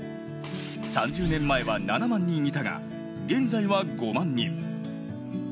３０年前は７万人いたが現在は５万人。